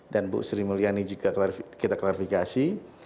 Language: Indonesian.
dan bu sri mulyani juga kita klarifikasi